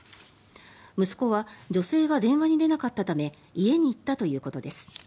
息子は、女性が電話に出なかったために家に行ったということです。